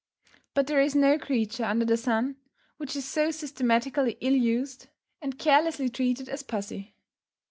But, there is no creature under the sun which is so systematically ill used, and carelessly treated as pussy.